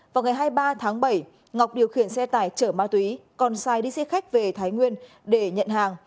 vào ngày hai mươi ba tháng bảy ngọc điều khiển xe tải chở ma túy còn dài đi xe khách về thái nguyên để nhận hàng